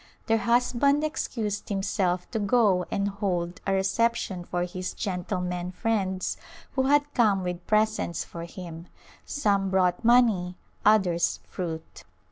Their husband excused himself to go and hold a reception for his gentlemen friends who had come with presents for him ; some brought money, others fruit.